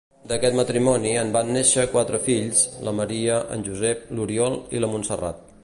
D'aquest matrimoni en van néixer quatre fills, la Maria, en Josep, l'Oriol i la Montserrat.